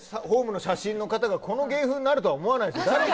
ホームの写真の方がこの芸風になるとは思わないです。